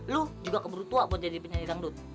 lu juga keburu tua buat jadi penyanyi dangdut